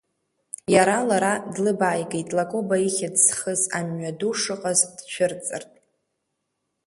Иара лара длыбааигеит, Лакоба ихьӡ зхыз амҩаду шыҟаз дцәырҵыртә.